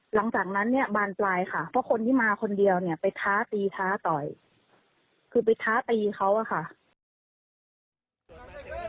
หลังจากนั้นเนี่ยบานปลายค่ะเพราะคนที่มาคนเดียวเนี่ยไปท้าตีท้าต่อยคือไปท้าตีเขาอะค่ะ